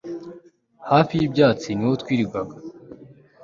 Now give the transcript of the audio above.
hafi y'ibyatsi niho twirirwaga